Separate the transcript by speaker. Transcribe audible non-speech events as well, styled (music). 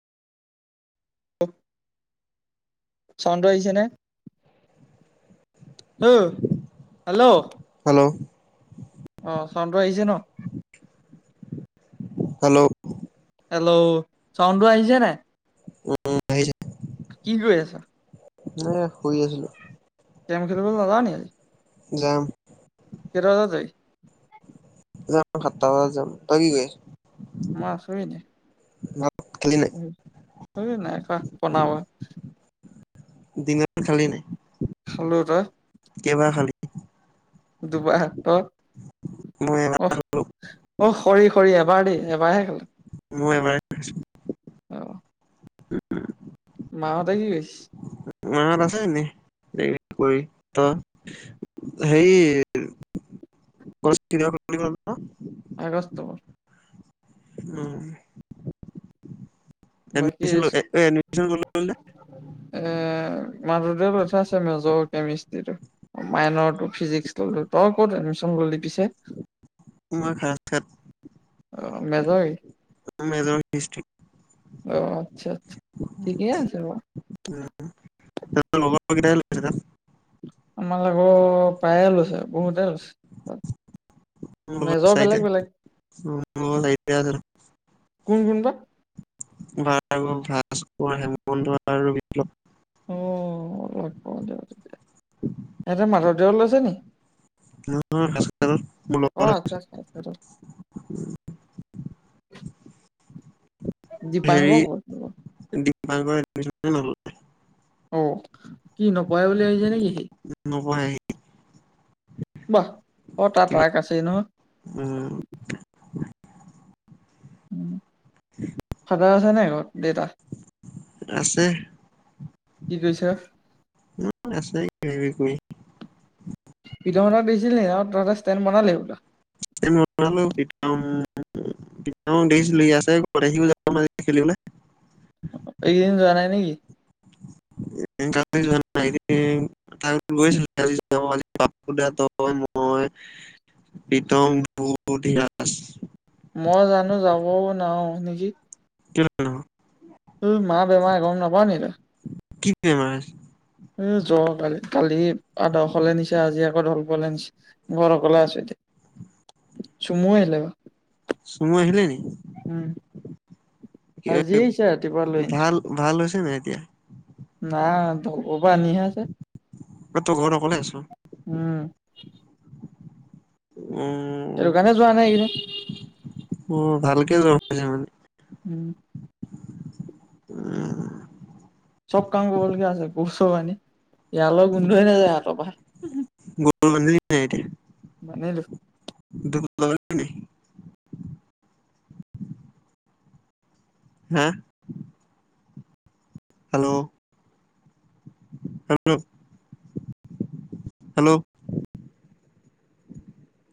Speaker 1: চন্দ্ৰ আহিছে নে? Hello.
Speaker 2: Hello.
Speaker 1: অঁ', চন্দ্ৰ আহিছে ন?
Speaker 2: হেল্ল'।
Speaker 1: হেল্ল', ছাউণ্ড টো আহিছে নাই?
Speaker 2: উম-উম, আহিছে।
Speaker 1: কি কৰি আছা?
Speaker 2: এ' শুই আছিলো।
Speaker 1: কেৰম খেলিবলে নোযোৱা নেকি আজি?
Speaker 2: যাম।
Speaker 1: কেইটা বজাত জাবি?
Speaker 2: যাম সাতটা বজাত যাম। তই কি কৰিছ?
Speaker 1: মই আছোঁ এনেই।
Speaker 2: ভাত খালি নাই?
Speaker 1: হয়, এ' নাই খোৱা বনাব'হে।
Speaker 2: দিনত খালী নাই,
Speaker 1: খালো তই?
Speaker 2: কেইবাৰ খালী?
Speaker 1: দুবাৰ, তই?
Speaker 2: মই এবাৰ খালো
Speaker 1: অহ', হৰি-হৰি এবাৰ দেই, এবাৰহে খালো।
Speaker 2: মইও এবাৰে খাইছোঁ।
Speaker 1: অহ'।
Speaker 2: উম।
Speaker 1: মাহঁতে কি কৰিছে?
Speaker 2: মাঁহত আছে এনেই কিবা-কিবি কৰি। তই হেৰি (unintelligible)
Speaker 1: আগষ্ট।
Speaker 2: উম'।
Speaker 1: বাকী
Speaker 2: এডমিচন
Speaker 1: এ'
Speaker 2: লৈ এডমিচন ক'ত ল'লি বোলে
Speaker 1: মাধৱদেৱত লৈ থোৱা আছে। মেজৰ কেমেষ্টি টো, মাইনৰ টো ফিজিক্স ল'লো। তই ক'ত এডমিশ্যন ল'লি পিছে?
Speaker 2: মই খেৰাজখাত।
Speaker 1: অ', মেজৰে।
Speaker 2: মোৰ মেজৰ হিষ্ট্ৰিত।
Speaker 1: অ', -আচ্ছা-আচ্ছা, ঠিকেই আছে বাৰু।
Speaker 2: উম', (unintelligible)
Speaker 1: আমাৰ লগৰ প্ৰায়ে লৈছে, বহুতে লৈছে।
Speaker 2: মোৰ
Speaker 1: মেজৰ বেলেগ বেলেগ
Speaker 2: লগত (unintelligible) মোৰ লগৰ
Speaker 1: কোন কোন বা
Speaker 2: (unintelligible) (unintelligible) ভাস্কৰ, হেমন্ত আৰু বিপ্লৱ।
Speaker 1: অ', লগ পাওঁ দিয়ক, ইহঁতে মাধৱদেৱত লৈছে নি?
Speaker 2: (unintelligible)
Speaker 1: অ আচ্ছা আচ্ছা
Speaker 2: (unintelligible) হেৰি
Speaker 1: দীপাংকৰ ক'ত
Speaker 2: (unintelligible)
Speaker 1: অ', কি নকৰে বুলি ভাবিছে নেকি সি?
Speaker 2: নপঢ়াই
Speaker 1: (unintelligible) অ', তাৰ ট্ৰাক আছেই নহ
Speaker 2: উম।
Speaker 1: ফাদাৰ আছে নাই ঘৰত দেউতা?
Speaker 2: আছে।
Speaker 1: কি কৈছা?
Speaker 2: (unintelligible)
Speaker 1: (unintelligible) দিছিলিনি আৰু তই এটা ষ্টেণ্ড বনালি হবলা।
Speaker 2: (unintelligible) (unintelligible) দেখিছিলো (unintelligible) খেলিবলৈ
Speaker 1: এইকেইদিন যোৱা নাই নেকি?
Speaker 2: (unintelligible) (unintelligible) প্ৰীতম (unintelligible)
Speaker 1: মই জানো যাবও নোৱাৰো নেকি।
Speaker 2: (unintelligible)
Speaker 1: উম, মাৰ বেমাৰ গম নেপাৱ নেকি তই?
Speaker 2: কি (unintelligible)
Speaker 1: এ জৰ কালি। কালি আদৰ্শলে নিছে আজি আকৌ ঢলপুৰলে নিছে। ঘৰত অকলে আছো এতিয়া। চুমু আহিলে বা
Speaker 2: চুমু আহিলে নি
Speaker 1: উম, আজি দিছে ৰাতিপুৱা লৈ আনিছো।
Speaker 2: ভাল ভাল হৈছে নাই এতিয়া?
Speaker 1: নাই, ধলপুৰৰ পৰা আনিহে আছে।
Speaker 2: অ', তই ঘৰত অকলে আছ?
Speaker 1: উম
Speaker 2: উম।
Speaker 1: সেইটো কাৰনে যোৱা নাই এইকেইদিন।
Speaker 2: উ, ভালকে জৰ (unintelligible) মানে।
Speaker 1: উম।
Speaker 2: উম
Speaker 1: চব কাম কৰিবলগীয়া হৈছে। গৰু-চৰু বান্ধি, এৰালৰ গোন্ধই নাযায় হাতৰ পৰা।
Speaker 2: (unintelligible)
Speaker 1: মানিলোঁ।
Speaker 2: (unintelligible) হা? হেল্ল'। Hello, hello.